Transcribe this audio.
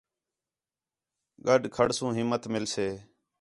گݙ کھڑسو ہِمّت مِلسے